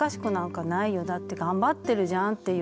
だって頑張ってるじゃん」って言ってくれて。